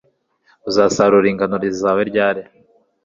uzasarura ingano zawe ryari